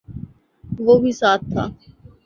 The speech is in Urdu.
وہ بھی ساتھ تھا